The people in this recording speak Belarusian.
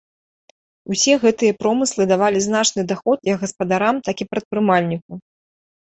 Усе гэтыя промыслы давалі значны даход як гаспадарам, так і прадпрымальніку.